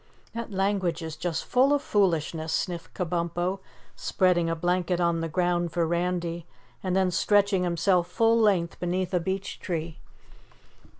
"That language is just full of foolishness," sniffed Kabumpo, spreading a blanket on the ground for Randy, and then stretching himself full length beneath a beech tree.